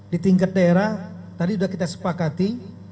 di tingkat daerah tadi sudah kita sepakati